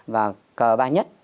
và cờ ba nhất